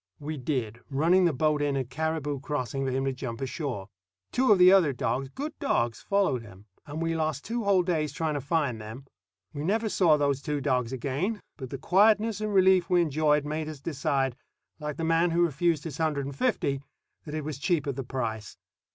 We did, running the boat in at Caribou Crossing for him to jump ashore. Two of the other dogs, good dogs, followed him; and we lost two whole days trying to find them. We never saw those two dogs again; but the quietness and relief we enjoyed made us decide, like the man who refused his hundred and fifty, that it was cheap at the price.